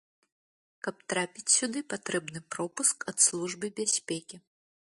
Каб трапіць сюды, патрэбны пропуск ад службы бяспекі.